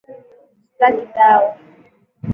Sitaki dawa